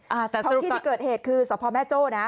เพราะที่ที่เกิดเหตุคือสมพันธ์แม่โจ้นะ